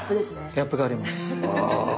ギャップがあります。